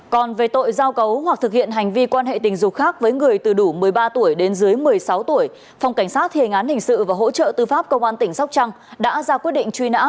công an huyện trần đề tỉnh sóc trăng còn ra quyết định truy nã